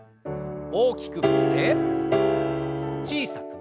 大きく振って小さく。